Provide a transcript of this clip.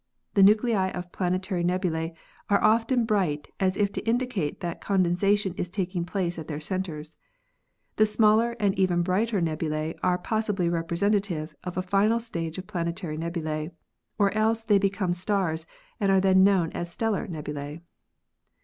The nuclei of planetary nebulse are often bright, as if to indicate that condensation is taking place at their centers. The smaller and even brighter nebulae are pos sibly representative of a final stage of planetary nebulae, or else they become stars and are then known as stellar nebulae.